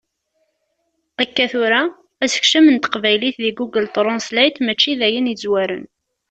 Akka tura, asekcem n teqbaylit deg Google Translate mačči d ayen yezwaren.